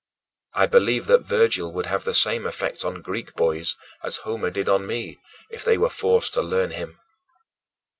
I believe that Virgil would have the same effect on Greek boys as Homer did on me if they were forced to learn him.